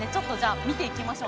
見ていきましょう。